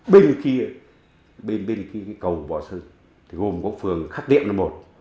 bên kia bên kia cầu bò sơn gồm có phường khắc điệp là một